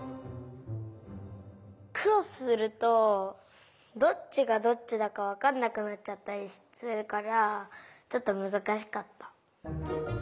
クロスするとどっちがどっちだかわかんなくなっちゃったりするからちょっとむずかしかった。